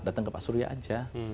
datang ke pak surya aja